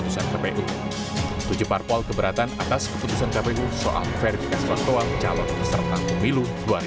tujuh parpol keberatan atas keputusan kpu soal verifikasi faktual calon peserta pemilu dua ribu sembilan belas